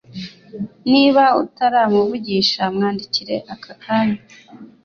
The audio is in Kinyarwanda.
Niba utaramuvugisha mwandikire aka kanya